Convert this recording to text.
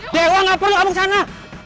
dewa gak perlu kamu kesana